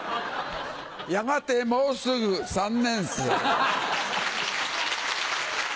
やがてもうすぐ三年生。